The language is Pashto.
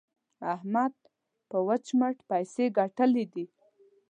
احمد په وچ مټ پيسې ګټلې دي.